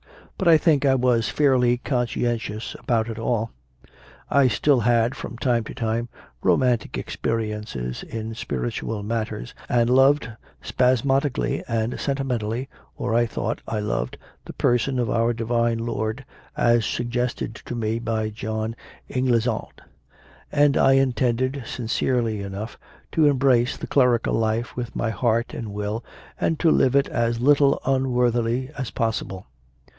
But I think I was fairly conscientious about it all. I still had, from time to time, romantic experiences in spiritual matters and loved, spasmodically and sentimentally, or thought I loved, the Person of Our Divine Lord, as suggested to me by "John Inglesant"; and I intended, sincerely enough, to embrace the clerical life with my heart and will, and to live it as little unworthily as possible.